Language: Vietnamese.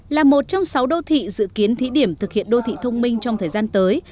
là một trong sáu đô thị dự kiến thí điểm thực hiện đô thị thông minh trong thời gian tới